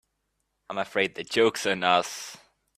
I'm afraid the joke's on us.